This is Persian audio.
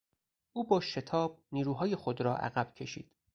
او با شتاب نیروهای خود را عقب کشید.